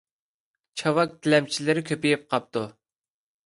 چاۋاك تىلەمچىلىرى كۆپىيىپ قاپتۇ.